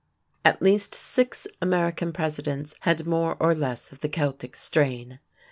At least six American Presidents had more or less of the Celtic strain.